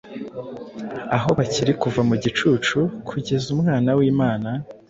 Aho bikiri kuva mu gicucu kugeza Umwana wImana